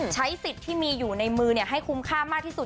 ใช้สิทธิ์ที่มีอยู่ในมือให้คุ้มค่ามากที่สุด